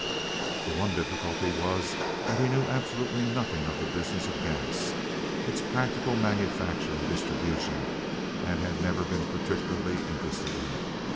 The one difficulty was that he knew absolutely nothing of the business of gas—its practical manufacture and distribution—and had never been particularly interested init.